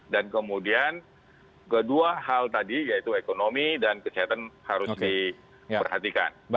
dan kemudian kedua hal tadi yaitu ekonomi dan kesehatan harus diperhatikan